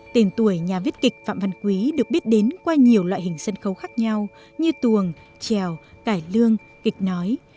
tên tuổi nhà viết kịch phạm văn quý được biết đến qua nhiều loại hình sân khấu khác nhau như tuồng trèo cải lương kịch nói